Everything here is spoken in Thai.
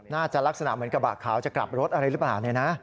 ลักษณะเหมือนกระบะขาวจะกลับรถอะไรหรือเปล่าเนี่ยนะ